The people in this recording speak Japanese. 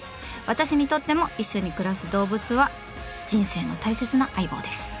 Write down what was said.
私にとっても一緒に暮らす動物は人生の大切な相棒です。